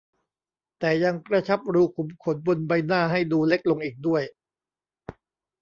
แต่ยังกระชับรูขุมขนบนใบหน้าให้ดูเล็กลงอีกด้วย